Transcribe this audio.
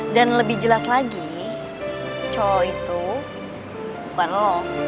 dan lebih jelas lagi cowok itu bukan lo